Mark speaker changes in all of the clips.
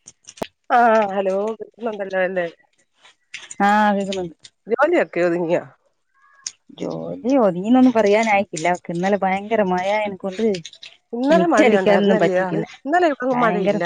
Speaker 1: [inaudible]
Speaker 2: ആഹ ഹലോന്നന്തല്ലോ അല്ലേ
Speaker 1: ആഹ അ വിസണ്ട്
Speaker 2: ജോലിയൊക്കെ ഒതുങ്ങിയോ
Speaker 1: ജോലിയോ നീന്നൊന്നും പറയാന ആായിക്കില്ലക്ക് ഇന്നലെ ഭയങ്കര മഴ എനിക്കൊണ്ട്
Speaker 2: ഇന്നലെ
Speaker 1: മിറ്റടിക്കാാനൊന്നും
Speaker 2: മഴയുണ്ടായിരുന്നല്ലയോ
Speaker 1: പറ്റിക്കില്ല
Speaker 2: ഇന്നലെ ഇവിടെ മഴയില്ല
Speaker 1: ഭയങ്കരം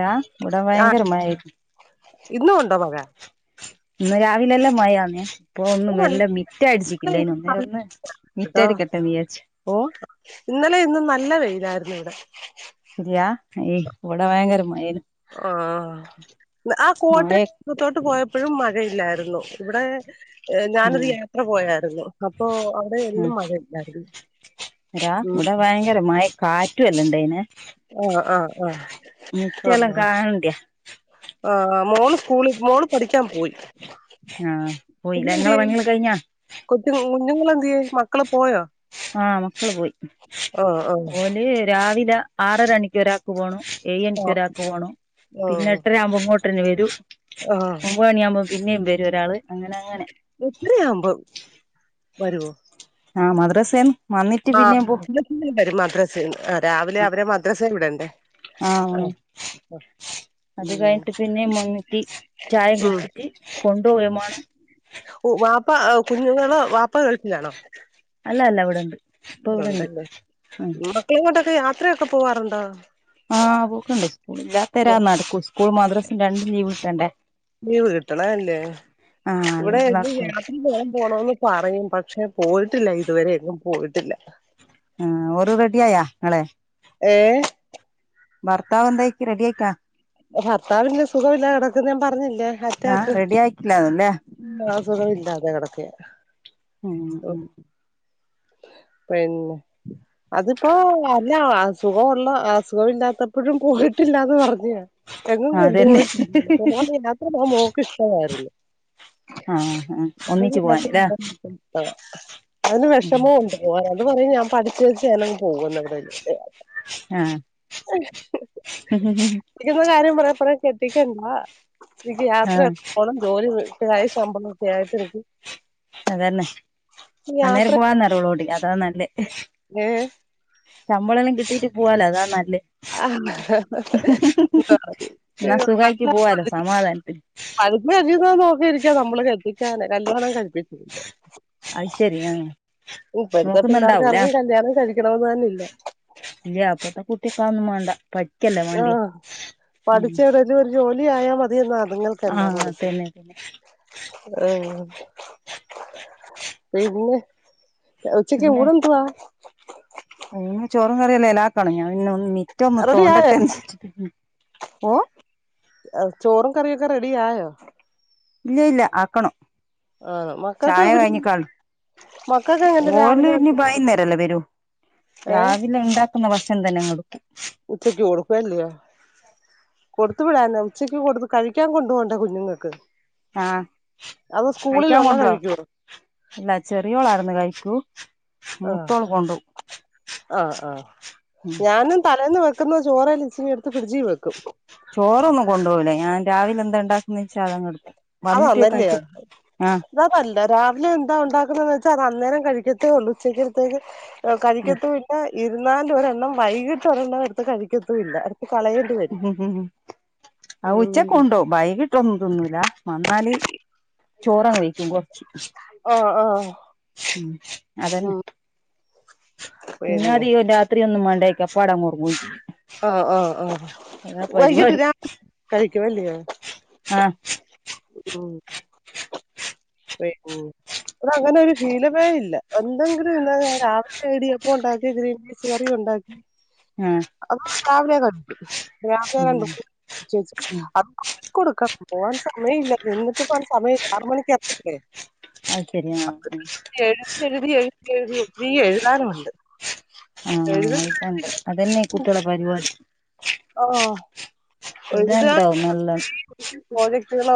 Speaker 1: രാ ഇൂടാ
Speaker 2: ആഹ്
Speaker 1: ഭയങ്കരമായിും
Speaker 2: ഇന്നും ഉണ്ടോ മഴ
Speaker 1: ഇന്ന് രാവിലെല്ലേ മഴന്നേ ഇപ്പൊ ഒന്നും
Speaker 2: ഇവിടെ
Speaker 1: വല്ല മിറ്റ അടിച്ചിിക്കില്ല അന് ഒന്നേര
Speaker 2: നല്ല
Speaker 1: ഒന്ന്
Speaker 2: ട്ടോ
Speaker 1: മിറ്റായിട്ട് കെട്ട നീച്ച ഓ
Speaker 2: ഇന്നലെ ഇന്നും നല്ല വെയിലായിരുന്നു ഇവിടെ
Speaker 1: ഇവിടെ ഭയങ്കര മഴ
Speaker 2: ആഹ ആ കോട്ട
Speaker 1: മഴ
Speaker 2: പുത്തോട്ട് പോയപ്പോഴും മഴയില്ലായിരുന്നു ഇവിടെ
Speaker 1: ഉം
Speaker 2: ഞാനൊരു യാത്ര പോയായിരുന്നു അപ്പൊ അവിടെ ഒന്നും മഴയില്ലായിരുന്നു
Speaker 1: രാ
Speaker 2: ഉം
Speaker 1: ഇവിടെ ഭയങ്കരമായി കാറ്റുവല്ലണ്ട് ഇനെ
Speaker 2: ആഹ ആഹ് ആഹ ആ
Speaker 1: കാണണ്ടിയാ
Speaker 2: ആ മോള് സ്കൂള മോള് പഠിക്കാൻ പോയി
Speaker 1: ആഹ പോയില്ല ങ്ങളെ പണികൾ കഴിഞ്ഞാ
Speaker 2: കുു കുഞ്ഞുങ്ങളെന്്യേ മക്കളെ പോയോ
Speaker 1: ആഹ മക്കള് പോയി
Speaker 2: ആഹ് ആഹ്
Speaker 1: ല് രാവിലെ ആറരണിക്ക് ഒരാ പോ എ എൻക്ക്
Speaker 2: ആഹ്
Speaker 1: ഒരാക്ക് പോണം പിന്നെ എട്ടര ആവുമ്പോ അങ്ങോട്ടന്നെ വരും
Speaker 2: ആഹ
Speaker 1: മുമ് പണിയാുമ്പോൾന്നും വരും ഒരാൾ അങ്ങനെനെ
Speaker 2: എത്രയാവുമ്പോ വരുവോ
Speaker 1: ആഹ് മദ്രസേൻ
Speaker 2: ആ വര മാത്രം ആ രാവിലെ അവരെ മദ്രസ ഇവിടണ്ടേ
Speaker 1: ആഹ്
Speaker 2: ആ
Speaker 1: പോണം അത് കഴിഞ്ഞിട്ട് പിന്നെ മങ്ങിട്ട് ചായ
Speaker 2: ഉം
Speaker 1: പിിച്ചിട്ട് കൊണ്ടുപോയമാണ്
Speaker 2: വാപ്പ കുഞ്ഞുങ്ങളണോ വാപ്പ കേൾപ്പിലാണോ
Speaker 1: അല്ലല്ല ഇവിടെണ്ട് ഇപ്പൊ ഇവിടെണ്ട്
Speaker 2: അണ്ടല്ലേ
Speaker 1: ഉം
Speaker 2: മക്കളെങ്ങോട്ടൊക്കെ യാത്രയൊക്കെ പോവാറുണ്ടോ
Speaker 1: ആഹ് പോക്കണ്ട് സ്കൂള ഇല്ലാത്തരാ നടക്കും സ്കൂൾ മദ്രാസും രണ്ടും ലീവ് കിട്ടണ്ടേ
Speaker 2: ലീവ് കിട്ടണല്ലേ
Speaker 1: ആഹ്
Speaker 2: ഇവിടെ
Speaker 1: അല്ലെങ്കിൽ നടക്കൂല
Speaker 2: ഇ പോൻ പോണന്ന് പറയും പക്ഷെ പോയിട്ടില്ല ഇതുവരെ എങ്ങും പോയിട്ടില്ല
Speaker 1: ആ ഒരു റെഡിയായാ നിങ്ങളെ
Speaker 2: ഏ
Speaker 1: ഭർത്താവ എന്തായിക്ക് റെഡി ആയിക്കാ
Speaker 2: ഭർത്താവില്ല സുഖമില്ല കിടക്ക് ഞാൻ പറഞ്ഞില്ലേ
Speaker 1: ആഹ റെഡി ആയിക്കില്ല തോന്ന്ല്ലേ
Speaker 2: ഇല്ല സുഖമില്ലാതെ കെടക്കുവ
Speaker 1: ഉം ഉം
Speaker 2: പിന്നെ അതിപ്പോ അല്ല അസുഖമുള്ള അസുഖമില്ലാത്തപ്പോഴും പോയിട്ടില്ലന്ന് പറഞ്ഞ എങ്ങും
Speaker 1: ആ അതന്നെ
Speaker 2: കൊണ്ടുപോയിട്ടില്ല ന യാത്ര പോകാൻ മോക്ക് ഇഷ്ടമായിരുന്നു
Speaker 1: ആഹ് ആ ഒന്നിച്ചു പോവാൻ ല്ലേ
Speaker 2: അതിന് വിഷമോ പറയും ഞാൻ പഠിച്ച വെച്ച പോകുന്നവിടെന്ന
Speaker 1: ആഹ്
Speaker 2: കെട്ടിക്കുന്ന കാര്യം പറെ കുറ കെട്ടിക്കണ്ട എനിക്ക് യാത്ര
Speaker 1: ആഹ്
Speaker 2: ഒക്കെ പോണന്ന് ജോലിക്കായി സംഭവം
Speaker 1: അതന്നെ
Speaker 2: യാത്ര
Speaker 1: അന്നേരം പോവാന്നറ ഓളോടി അതാ നല്ലേ
Speaker 2: ഏ
Speaker 1: ശമ്പളംല്ലാം കിട്ടിയിട്ട് പോവാലോ അതാ നല്ലെ
Speaker 2: ആ [unintelligible]
Speaker 1: എന്നാ സുഖായിട്ട് പോവാലോ സമാധാനത്തിന്
Speaker 2: അതിപ്പോ നോക്കിയിരിക്ക നമ്മള് കെട്ടിക്കാന് കല്ലയാണം കഴിപ്പിക്കണ്ട്
Speaker 1: അത് ശരി ആ
Speaker 2: ഇപ്പഴത്തെ പിള്ളേർക്ക്
Speaker 1: നോക്കുന്നുണ്ടാവൂല
Speaker 2: ആർക്കും കല്യാണം കഴിക്കണമെന്ന് തന്നെല്ല
Speaker 1: ഇല്ല അപ്പത്തെ കുട്ടെക്ക് അഹ് ഒന്നും വേണ്ട പഠിക്കല്ലേ മണ്ടിയെ
Speaker 2: ആ പഠിച്ചെവിടെലും ഒരു ജോലി ആയാൽ മതിയെന്ന അതുങ്ങൾക്കന്താ
Speaker 1: ആഹ്
Speaker 2: മനസ്സിൽ
Speaker 1: തന്നെ തന്നെ
Speaker 2: ആഹ പിന്നെ ഉച്ചക്ക്
Speaker 1: പിന്നെ
Speaker 2: ഊണെന്തുവാ
Speaker 1: ചോറും കറിയല്ലേ എല്ലാക്കണം ഞാൻ പിന്നെ മിറ്റേ ഒന്ന്
Speaker 2: റെഡി ആയോ
Speaker 1: തോണ്ടട്ടെ എന്ന്ച്ചിട്ട
Speaker 2: ചോറും കറിയൊക്കെ റെഡിയായോ
Speaker 1: ഇല്ല ഇല്ല ആക്കണം
Speaker 2: ആഹ മക്കൾക്കെ
Speaker 1: ചായ കഴിഞ്ഞിക്കാളു ഓല്. ഇനി ബയീന്നേരല്ലേ വരൂ
Speaker 2: ഏഹ്
Speaker 1: രാവിലെ ഉണ്ടാക്ക ന്ന ഭക്ഷണം തന്നെ അങ്ങ് എടക്കു
Speaker 2: ഉച്ചേക്ക് കൊടക്കും അല്ലെയേ കൊടുത്തു വിടന്നൊ ഉച്ചക്ക് കൊടുത്ത് കഴിക്കാൻ കൊണ്ട് പോകണ്ടേ കുഞ്ഞുങ്ങൾക്ക്
Speaker 1: ആഹ
Speaker 2: അത്
Speaker 1: കഴിക്കാൻ
Speaker 2: സ്കൂളിലുള്ള
Speaker 1: കൊണ്ടുവ
Speaker 2: കഴിക്കുവോ
Speaker 1: ഇല്ല ചെറിയോളാട്ന്ന് കഴിക്കൂ മൂത്തോൾ കൊണ്ടൊവു
Speaker 2: ആഹ ആഹ
Speaker 1: ഉം
Speaker 2: അന്നു തലേന്ന് വെക്കുന്ന ചോർ ഇച്ചിനെടു ഫ്രഡ്ജിൽ വെക്കും
Speaker 1: ചോറൊന്നും കൊണ്ടൊ പോകുല്ല ഞാൻ രാവിലെ എന്താണ്ടാക്കന്ന് വെച്ചാ അതങ്ങേടക്കു
Speaker 2: അതാന്നെയ അത നല്ലെ രാവിലെ എന്താ ഉണ്ടാക്കുന്നന്ന് വെച്ചാൽ അത് അന്നേരം കഴിക്കത്തേ ഉള്ളൂ ഉച്ചക്കെത്തേക്ക് കഴിക്കത്തുല്ല ഇരുന്നാൽ ഒരെണ്ണം വൈകിട്ട് ഒരെണ്ണം എടുത്ത് കഴിക്കത്തുല്ല അടുത്ത് കളയൽ
Speaker 1: ഉം ഉം ആ ഉച്ചക്ക്
Speaker 2: ഉം
Speaker 1: ഉണ്ടോ വൈകിട്ടൊന്നും തിന്നൂല വന്നാല് ചോറങ് വെഴിക്കും കൊറച്ച്
Speaker 2: ആഹ ആഹ
Speaker 1: ഉം അതന്നെ
Speaker 2: [inaudible]
Speaker 1: പിന്നെ അതികം രാത്രി ഒന്നും മേണ്ടക്ക അപ്പടെഅങ്ങ് ഒറങ്ങും ചെ
Speaker 2: ഒ ഒ ഒ വൈകിട്ട് രാത് കഴിക്കും അല്ലയോ
Speaker 1: ആഹ
Speaker 2: ഉം പ [unintelligible] അങ്ങനെ ഒരു ശീലമേ ഇല്ല എന്തെങ്കിലും ഇന്നാ രാവിലെ ഇടിയപ്പോ ഉണ്ടാക്കിയ ഗ്രി [unintelligible] കറി ഉണ്ടാക്കി
Speaker 1: ആഹ
Speaker 2: അപ്പൊ രാവിലെ കണ്ടു രാവിലെ
Speaker 1: ഉം
Speaker 2: കണ്ടു ചേച്ചി
Speaker 1: ഉം
Speaker 2: അത്ടുക്ക [unintelligible] പോവാൻ സമയമല്ല എന്നിട്ട് പോവാൻ സമയം ആറ് മണിക്ക് [unintelligible]
Speaker 1: അത് ശരി ആഹ്
Speaker 2: എഴുതി എഴുതി എഴുതി ഒത്തിരി എഴുതാനുണ്ട്
Speaker 1: ആഹ
Speaker 2: എഴുതി
Speaker 1: അതണ്ട് അതന്നെ കുട്ടികളെ പരിപാടി
Speaker 2: ഓ
Speaker 1: ഇതുണ്ടാവും നല്ല
Speaker 2: [inaudible] പ്രോജക്ടുകൾ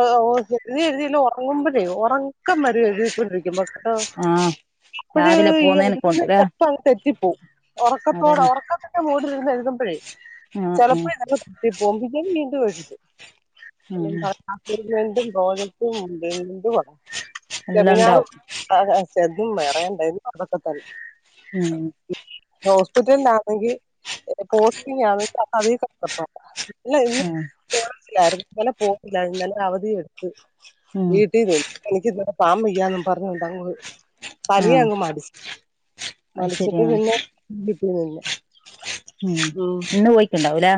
Speaker 2: എഴുതി എഴുതിയല്ലോ ഒറങ്ങുമ്പോഴേ ഉറക്കം വരും എഴുതിക്കൊണ്ടിരിക്കു എ്പക്കട്ടോ
Speaker 1: ആ
Speaker 2: [unintelligible] അപ്പോഴ്
Speaker 1: രാവിലെ
Speaker 2: ഈ
Speaker 1: പോന്നേനെ
Speaker 2: എഴുതുന്ന
Speaker 1: കൊണ്ടില്ലേ
Speaker 2: സെപ്പങ്ങ് തെറ്റിപ്പോവും ഉറക്കത്തോട്
Speaker 1: അതന്നെ
Speaker 2: ഉറക്ക ഉറക്ക മൂടിൽ ഇരുന്ന് എഴുതുമ്പഴേ
Speaker 1: ആ ആ
Speaker 2: ചിലപ്പോ അത് അങ്ങ് നിർത്തി പോകും പിന്നെ വീണ്ടും എഴുതു
Speaker 1: ആ
Speaker 2: അസ്സിഗ്ന്മെന്റും പ്രോജക്ടും എന്തുവാ
Speaker 1: എല്ലാം
Speaker 2: സെമിനാറും
Speaker 1: ഉണ്ടാവും
Speaker 2: ആഹ് ചെര്തും വേറേണ്ടായ്ര്ന്ന് അതൊക്കെ തൽ
Speaker 1: ഉം
Speaker 2: ഹോസ്പിറ്റൽലാണെങ്കി പോസ്റ്റിങ്കാണെങ്കി അത് അതി കടപ്പം ഇല്ല ഇന്ന്
Speaker 1: ആ
Speaker 2: പോയ്ട്ട്ല്ലായിര് ഇന്നലെ പോയിട്ടല്ലായ്ര്ന്ന് ഇന്നലെ അവധിയു
Speaker 1: ഉം
Speaker 2: വീട്ടീന്ന് എനിക്ക് ത്താം വെയ്യാന്നും പർഞ്ഞോണ്ടങ്ങ്
Speaker 1: ആ
Speaker 2: പനിയങ്ങ് മാടിച്ച്
Speaker 1: അത്
Speaker 2: പനിച്ചിട്ട്
Speaker 1: ശരിയാ
Speaker 2: പിന്നെ വിട്ടീ നിന്ന്
Speaker 1: ഉം ഇന്ന് പോയിക്ക്ണ്ടാവുലേ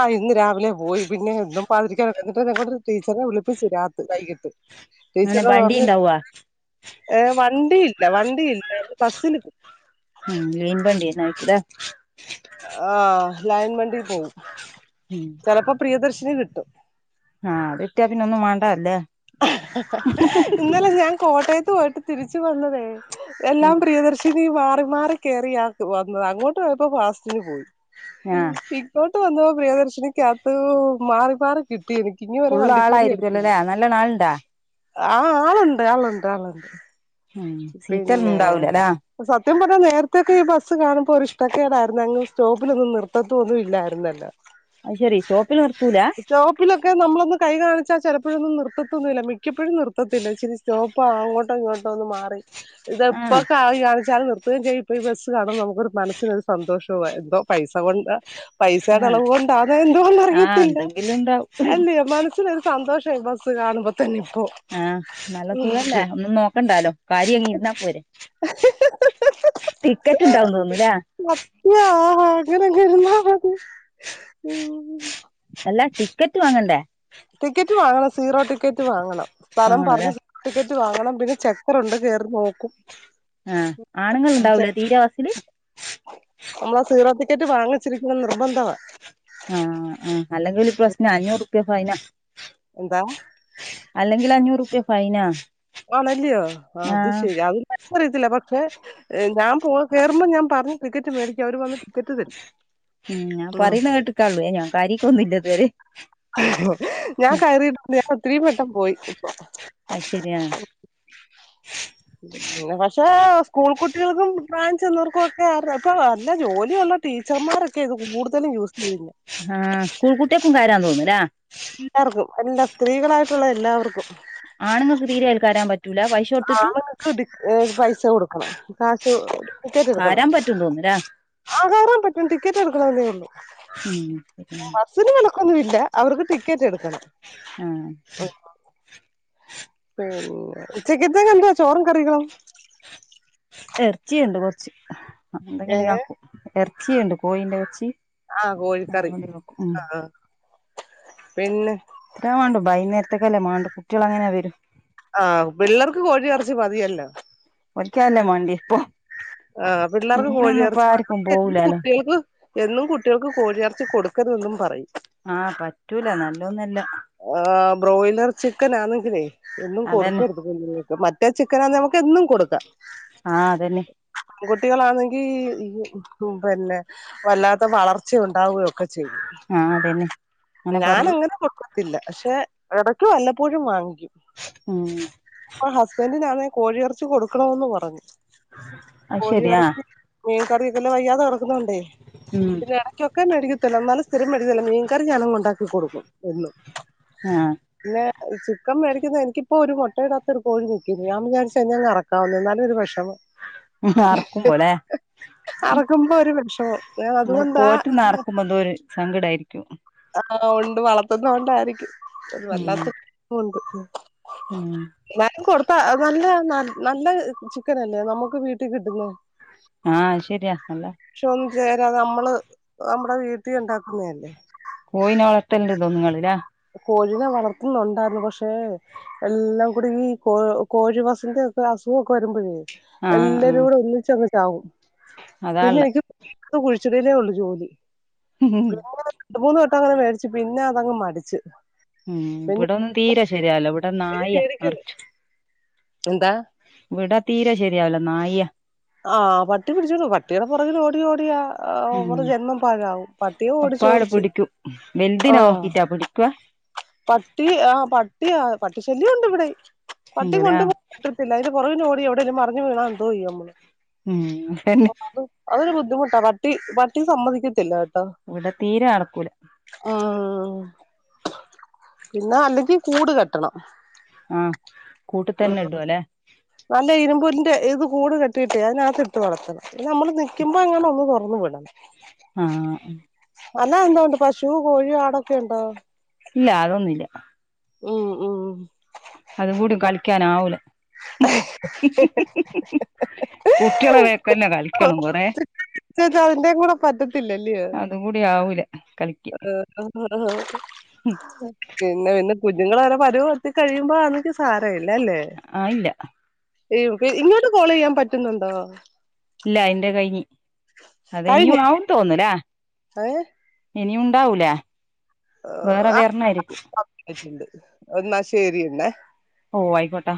Speaker 2: ആഹ് ഇന്ന് രാവിലെ പോയി പിന്നെ ഇന്നും പാതിരിക്കാനൊക്ക എന്നിട്ടെന്നെ കൊണ്ട് ടീച്ചറിനെ വിളിപ്പിച്ച് രാത് വൈകിട്ട്
Speaker 1: അങ്ങനെ
Speaker 2: ടീച്ചരനോട്
Speaker 1: വണ്ടി
Speaker 2: പർഞ്ഞ്
Speaker 1: ഉണ്ടാവുവാ
Speaker 2: ഏഹ് വണ്ടിയില്ല വണ്ടിയില്ല ബസ്സില്
Speaker 1: ഉം ലെയ്ൻ ബണ്ട്യെന്നയ്ക്കുലേ
Speaker 2: ആഹ് ലയിൻ വണ്ടീ പോവും
Speaker 1: ഉം
Speaker 2: ചെലപ്പോ പ്രിയദർശിനി കിട്ടും
Speaker 1: ആഹ് അത് കിട്ട്യാ പിന്നെ ഒന്നും മാണ്ടാ അല്ലേ
Speaker 2: ഇന്നലെ ഞാൻ കോട്ടെയെത്ത് പോയിട്ട് തിരിച്ച് വന്നതേ എല്ലാം
Speaker 1: ഉം
Speaker 2: പ്രിയദർശിനി മാറി മാറി കേറിയാ വന്നത് അങ്ങോട്ട് പോയപ്പോ ഫാസ്റ്റിന് പോയി
Speaker 1: ആ
Speaker 2: ഇങ്ങോട്ട് വന്നപ്പം പ്രിയദർശിനിക്കാത്ത് മാറി മാറി കി ട്ടി എനിക്ക് ഇനി മുതല് വണ്ടിക്കൂലി എട്ക്കില്ല
Speaker 1: ന്ന ന്നാൾണ്ടാ
Speaker 2: ആഹ് ആളുണ്ട് ആളുണ്ട് ആളുണ്ട്
Speaker 1: ഉം സീറ്റൊന്നും
Speaker 2: പിന്നെ
Speaker 1: ണ്ടാവൂല ലാ
Speaker 2: സത്യം പറഞ്ഞ നേരെത്തെയൊക്കെ ഈ ബസ് കാണ്‌മ്പോ ഒരിഷ്ടക്കേടായ്ര്ന്ന് അങ്ങ് സ്റ്റോപ്പിലൊന്നും നിർത്തത്തോന്നും ഇല്ലായ്ര്ന്നല്ലോ
Speaker 1: അത്‌ ശെരി സ്റ്റോപ്പില് നിർത്തൂല
Speaker 2: പ്പിലൊക്കെ നമ്മളൊന്ന് കൈ കാണിച്ചാ ചെലപ്പോഴൊന്നും നിർത്തത്തൊന്നുല്ല മിക്കപ്പോഴും നിർത്തത്തില്ല ചി സ്റ്റോപ്പ്‌ അങ്ങോട്ടാേ ഇങ്ങോട്ടോ ഒന്ന് മാറി
Speaker 1: ആ
Speaker 2: ഇതെപ്പോ കായ് കാണിച്ചാല് നിർത്ത്കെയും ചെയ്യും ഇപ്പോ ഈ ബെസ്സ് കാണുമ്പോ നമുക്കൊരു മനസ്സിനൊരു സന്തോഷവാ എന്തോ പൈസ കൊണ്ടാ പൈസേടെ
Speaker 1: ആ
Speaker 2: അളവുകൊൺ സാധാ
Speaker 1: ആഹ്
Speaker 2: എന്തുവാന്നറിയത്തില്ല
Speaker 1: എന്തെങ്കിലും ഉണ്ടാവും
Speaker 2: അല്ല്യോ മനസ്സിനൊര് സന്തോഷ ഈ ബസ്സ് കാണ്‌മ്പ തന്നെ ഇപ്പോ
Speaker 1: ആഹ് നല്ല സുഖെല്ലേ ഒന്നും നോക്കണ്ടാലോ കയറി അങ്ങ് ഇരുന്നാ പോരെ ടിക്കെറ്റ് ഇണ്ടാവുന്ന് തോന്ന്ന്ന്ല്ലേ
Speaker 2: യാ അങ്ങെനെയങ്ങ് ഇര്ന്നാ മതി
Speaker 1: അല്ലാ ടിക്കെറ്റ് വാങ്ങെണ്ടേ
Speaker 2: ടിക്കെറ്റ് വാങ്ങണം സീറോ ടിക്കെറ്റ് വാങ്ങണം സ്ഥലം
Speaker 1: വാങ്ങണല്ലേ
Speaker 2: പർഞ്ഞ് ടിക്കെറ്റ് വാങ്ങണം പിന്നെ ചെക്കറുണ്ട് കേറി നോക്കും
Speaker 1: ആഹ് ആണ്ങ്ങള്ണ്ടാവൂലെ തീരെ ആ ബസ്സില്
Speaker 2: നമ്മളാ സീറോ ടിക്കെറ്റ് വാങ്ങിച്ചിരിക്കണംന്ന് നിർബന്ധവാ
Speaker 1: ആഹ് ആഹ് അല്ലെങ്കില് പ്രശ്നാ അഞ്ഞൂറുപ്യ ഫൈനാ
Speaker 2: എന്താ
Speaker 1: അല്ലെങ്കിലഞ്ഞൂറുപ്യ ഫൈനാ
Speaker 2: ആണല്ലിയോ ആത്
Speaker 1: ആഹ്
Speaker 2: ശെരി അതൊന്നെനിക്കറിയത്തില്ല പക്ഷേ ഞാൻ പോ കേറുമ്പം ഞാൻ പർഞ്ഞു ടിക്കെറ്റ് മേടിക്കും അവര് വന്ന് ടിക്കെറ്റ് തെരും
Speaker 1: ഉം ഞാൻ പറ്യ്ന്നെ കേട്ട്ക്കാള്ളെ ഞാൻ കയ്രീക്കൊന്നുംല്ല ഇത് വെരെ
Speaker 2: ഞാൻ കയറിയിട്ട്ണ്ട് ഞാൻ ഒത്തിരീ വെട്ടം പോയി
Speaker 1: അയ്ശെര്യാ
Speaker 2: പക്ഷെ സ്കൂൾ കുട്ടികൾക്കും പ്രായം ചെന്നവർക്കും ഒക്കെ ആ രസവാ അല്ല ജോലി ഒള്ള ടീച്ചർമാരൊക്കെ ഇത് കൂട്തലും യൂസെയ്യ്ന്നെ
Speaker 1: ആഹ് സ്കൂൾ കുട്ട്യേക്കും കയരാന്ന് തോന്ന്ലാ
Speaker 2: എല്ലാർക്കും എല്ലാ സ്ത്രീകളായിട്ടുള്ള എല്ലാവർക്കും
Speaker 1: ആണ്ങ്ങക്ക് തീരെ അയ്ല് കയരാൻ പറ്റൂലാ പൈഷ്
Speaker 2: ആണ്ങ്ങക്ക് ടി ഏഹ് പൈസ കൊട്ക്കണം കാശ് ടിക്കെറ്റ്ട്ക്കണം
Speaker 1: കാരാൻ പറ്റും തോന്നുല്ലേ
Speaker 2: ആഹ് കയറാൻ പറ്റും ടിക്കറ്റ് എടുക്കണംന്നേ ഒള്ളു
Speaker 1: ഉം
Speaker 2: ബസ്സിന് കണക്കൊന്നും ഇല്ല അവർക്ക് ടിക്കറ്റ് എടുക്കണം
Speaker 1: ആഹ
Speaker 2: പിന്നെ ഉച്ചകത്തേക്ക് എന്താ ചോറും കറികളും
Speaker 1: ഇറച്ചിയുണ്ട് കൊറച്ച്
Speaker 2: ഏ
Speaker 1: എന്തെങ്കിലും ആക്കും ഇറച്ചിയുണ്ട് കോഴിന്റെ ഇറച്ചി
Speaker 2: ആഹ കോഴിക്കറി ആ പിന്നെ
Speaker 1: ഇപ്പെ വേണ്ടു വൈകുന്നേരത്തക്കല്ലേമാണ്ടു കുട്ടികൾ അങ്ങനെയെ വരു
Speaker 2: ആഹ പിള്ളേർക്ക് കോഴി ഇറച്ചി മതിയല്ലോ
Speaker 1: ഓൽക്കല്ലേ വേണ്ടി ഇപ്പൊ
Speaker 2: ആ പിള്ളേർക്ക്
Speaker 1: മീനൊന്നും ഇപ്പ
Speaker 2: കോഴിയിറച്ചി
Speaker 1: ആർക്കും
Speaker 2: മതി
Speaker 1: പോവൂലാലോ
Speaker 2: കുട്ടികൾക്ക് എന്നും കുട്ടികൾക്ക് കോഴിറച്ചി കൊടുക്കരുതെന്നും പറയും
Speaker 1: ആഹ് പറ്റൂല നല്ലൊന്നല്ല
Speaker 2: ആ ബ്രോയിലർ ചിക്കൻ ആണെങ്കിലേ എന്നും
Speaker 1: അതന്നെ
Speaker 2: കൊടുക്കരുത് മറ്റേ ചിക്കനാന്നെ നമുക്ക് എന്നും കൊടുക്കാം
Speaker 1: ആഹ അതെന്നെ
Speaker 2: പെൺകുട്ടികളാണെങ്കി ഈ പിന്നെ വല്ലാത്ത വളർച്ച ഉണ്ടാവുകയൊക്കെ ചെയ്യും
Speaker 1: ആഹ് അതന്നെ അങ്ങനെ
Speaker 2: ഞാൻ
Speaker 1: പറയൂ
Speaker 2: അങ്ങനെ കൊടുക്കാ ത്തില്ല പക്ഷെ ഇടക്ക്‌ വല്ലപ്പോഴും വാങ്ങിക്കും
Speaker 1: ഉം
Speaker 2: ഇപ്പൊ ഹസ്ബൻഡിനാന്നെ കോഴിയിറച്ചി കൊടുക്കണന്ന് പറഞ്ഞു
Speaker 1: അത് ശരിയാ
Speaker 2: കോഴിയിറച്ചി മീൻ കറിയൊക്കെ ല്ല വയ്യാതെ കെടക്കുന്നോണ്ടേ
Speaker 1: ഉം
Speaker 2: പിന്നെ ഇടയ്ക്കൊക്കെ ചിക്കൻ മേടിക്കത്തില്ല എന്നാലും സ്ഥിരം മേടിക്കില്ല മീൻകറി ഞാനങ്ങ് ഉണ്ടാക്കി കൊടുക്കും എന്നും
Speaker 1: ആഹ
Speaker 2: പിന്നെ ചിക്കെൻ മേടിക്കുന്ന എനിക്കിപ്പോ ഒരു മുട്ടയിടത്ത ഒരു കോഴിണ്ട് ഇൻക്ക് ഞാൻ വിചാരിച്ച് അയിനെ അറ ക്കാമെന്ന് എന്നാലും ഒരു വെഷമം
Speaker 1: അറക്കുമ്പോ ലെ
Speaker 2: അറക്കുമ്പോ ഒരു വിഷമം ഞാൻ അതുകൊണ്ടാ
Speaker 1: അറക്കുമ്പോ എന്തോ ഒരു സങ്കടായിരിക്കും
Speaker 2: ആഹ ഉണ്ട് വളർത്തുന്ന കൊണ്ടായിരിക്കും അ
Speaker 1: ഉം
Speaker 2: വല്ലാത്ത ഉണ്ട്
Speaker 1: ഉം
Speaker 2: ഞാൻ കൊടുത്താ നല്ല നല്ല ചിക്കനല്ലേ നമ്മുക്ക് വീട്ടിൽ കിട്ടുന്ന
Speaker 1: ആഹ ശരിയാ അല്ല
Speaker 2: വേഷം ഒന്നും ചേരാ നമ്മള് നമ്മുടെ വീട്ടിൽ ഉണ്ടാക്കുന്നല്ലേ
Speaker 1: കോയിന് വളത്തല്ല തോന്നങ്ങളില്ലാ
Speaker 2: കോഴിനെ വളർത്തുന്നുണ്ടായിരുന്നു പക്ഷേ എല്ലാം കൂടി ഈ കോ കോഴിവസുന്റെക്കെ അസുഖംക്കെ വരുമ്പോഴേ
Speaker 1: ആഹ് ആഹ്
Speaker 2: എല്ലരും കൂടെ ഒന്നിച്ച അങ്ങ്ചാവും പിന്നെ
Speaker 1: അതാള്ളെ
Speaker 2: എനിക്ക് ഇത് കുഴിച്ചടലെ ഉള്ളു ജോലി രണ്ട മൂന്ന് വട്ടം അങ്ങനെ മേടിച്ച് പിന്നെ അങ് മടിച്ച്
Speaker 1: ഉം
Speaker 2: പിന്നെ
Speaker 1: ഇവിടെ ഒന്നും തീരെ ശരിയാവില്ല ഇവിടെ
Speaker 2: ഇനി
Speaker 1: നായ
Speaker 2: മേടിക്കുന്നു
Speaker 1: നിറച്ചു
Speaker 2: എന്താ
Speaker 1: ഇവിടെ തീരെ ശരിയാവല നായി യാ
Speaker 2: ആഹ് പട്ടി പിടിച്ചോട്ടു പട്ടിയുടെ പുറകിൽ ഓടി ഓടിയ അവടെ ജന്മം പാഴാവും പട്ടിയെ
Speaker 1: അപ്പാടെ
Speaker 2: ഓടിച്ചോടിച്ച്
Speaker 1: പിടിക്കും
Speaker 2: ആ
Speaker 1: വെല്ന്തിനിനെ നോക്കീട്ടാ പിടിക്കവാ
Speaker 2: പട്ടി ആ പട്ടി പട്ടി ശല്യംണ്ട് ഇവിടെ പട്ടി
Speaker 1: ഉണ്ട്ല്ലേ
Speaker 2: കൊണ്ട്പ ഇല്ല അതിന്റെപുറക്കിൽ ലോടിവിടെേലും മറിഞ്ഞവീണ എന്തോ ചെയ്യ നമ്മള്
Speaker 1: ഉം തന്നെ
Speaker 2: അതൊരു ബുദ്ധിമുട്ടാ പട്ടി പട്ടി സമ്മതിക്കത്തില്ല കേട്ടോ
Speaker 1: ഇവിടെ തീരെ നടക്കൂല
Speaker 2: ആഹ് ആഹ് ആഹ് പിന്നെ അല്ലെങ്കിൽ കൂട് കെട്ടണം
Speaker 1: ആഹ് കൂട്ടി
Speaker 2: ഉ
Speaker 1: തന്നെ ഇടുവല്ലേ
Speaker 2: നല്ല ഇരുമ്പലന്റെ ഇത് കൂടെ കെട്ടിയിട്ടേ അതിനകത്ത് ഇട്ട് വളർത്തണം പിന്നെ നമ്മള് നിക്കുമ്പോ അങ്ങനെ ഒന്ന് തുറന്നു വിടാം
Speaker 1: ആഹ്
Speaker 2: അല്ല എന്തോ ഉണ്ട് പശുവോ കോഴിയോ ആടൊക്കെയുണ്ടോ?
Speaker 1: ഇല്ല അതൊന്നുല്ല
Speaker 2: ഉം ഉം
Speaker 1: അതും കൂടെ കളിക്കാനാവൂല
Speaker 2: ഏഹ് ഹാ
Speaker 1: കുട്ടികളെ വെക്കന്നെ കളിക്കണം കൊറെേ
Speaker 2: ഇതിതതിന്റെയും കൂടെ പറ്റത്തില്ലല്ലേ
Speaker 1: അതും കൂടി ആവൂല കളിക്ക്
Speaker 2: [unintelligible] ഉം [inaudible] പിന്നെ പിന്നെ കുഞ്ഞുങ്ങൾ വരെ പരുവ്ത്തി കഴിയുമ്പോ അനിക്ക് സാരല്ല അല്ലേ
Speaker 1: ആഹ് ഇല്ല
Speaker 2: ഇവ് ഇങ്ങോട്ട് കോൾ ചെയ്യാൻ പറ്റുന്നുണ്ടോ?
Speaker 1: ഇല്ല അതിന്റെ കഴിഞ് അത്
Speaker 2: കഴിഞ്ഞ
Speaker 1: ഇനിയും ആവുട്ടോ ന്നലാ
Speaker 2: ഏ
Speaker 1: ഇനിയും ഉണ്ടാവൂലേ? വേറെ വരണായിരി
Speaker 2: ഊ ന്നാ ശെരിനന്നാ
Speaker 1: ഓ ആയിക്കോട്ടെ